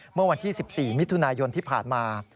เมื่อวันที่๑๔มิถุนายนที่ผ่านมา